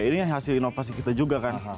ini hasil inovasi kita juga kan